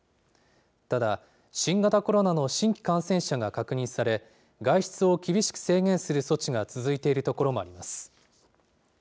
ただ新型コロナの新規感染者が確認され、外出を厳しく制限する措置が続いている所もあります。